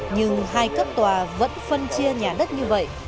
nhưng hai cấp tòa vẫn phân chia nhà đất như vậy